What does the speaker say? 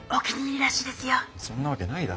そんなわけないだろ！